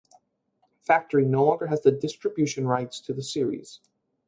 Factory no longer has the distribution rights to the series.